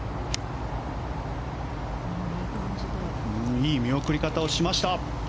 いい見送り方をしました。